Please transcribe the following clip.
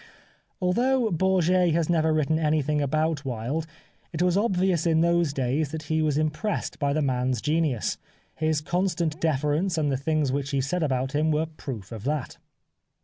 Although Bourget has never written anything about Wilde it was obvious in those days that he was impressed by the man's genius ; his constant deference and the things which he said about him were proof of that.